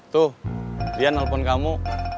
tuh dia nelfon kamu